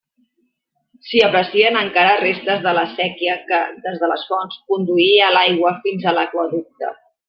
S'hi aprecien encara restes de la séquia que, des de les fonts, conduïa l'aigua fins a l'aqüeducte.